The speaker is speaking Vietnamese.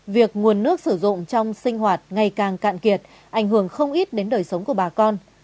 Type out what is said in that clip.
việc nguồn nước sử dụng trong sinh hoạt ngày càng cạn kiệt ảnh hưởng không ít đến đời sống của bà con